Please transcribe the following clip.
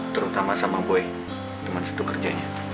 terutama sama boy teman satu kerjanya